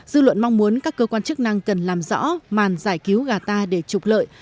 dư luận mong muốn các cơ quan chức năng cần làm rõ màn giải cứu gà ta để trục lợi